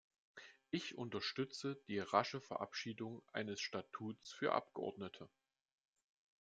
Ich unterstütze die rasche Verabschiedung eines Statuts für Abgeordnete.